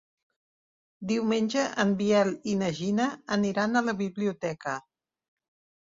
Diumenge en Biel i na Gina aniran a la biblioteca.